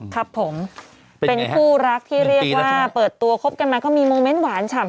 ครับผมเป็นคู่รักที่เรียกว่าเปิดตัวคบกันมาก็มีโมเมนต์หวานฉ่ำ